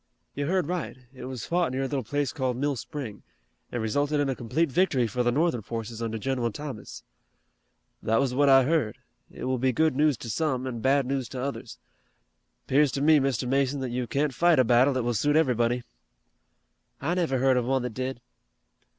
"You heard right. It was fought near a little place called Mill Spring, and resulted in a complete victory for the Northern forces under General Thomas." "That was what I heard. It will be good news to some, an' bad news to others. 'Pears to me, Mr. Mason, that you can't fight a battle that will suit everybody." "I never heard of one that did."